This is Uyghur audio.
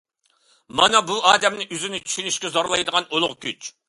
مانا بۇ ئادەمنى ئۆزىنى چۈشىنىشكە زورلايدىغان ئۇلۇغ كۈچ.